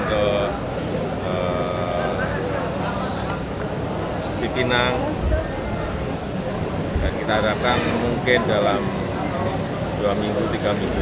kita akan melaksanakan ke sipinang dan kita harapkan mungkin dalam dua minggu tiga minggu